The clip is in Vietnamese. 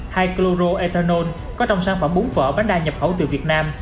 hay chloroethanol có trong sản phẩm bún phở bánh đa nhập khẩu từ việt nam